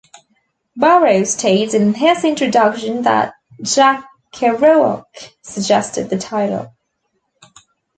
Burroughs states in his introduction that Jack Kerouac suggested the title.